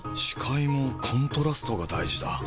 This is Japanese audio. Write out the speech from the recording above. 視界もコントラストが大事だ。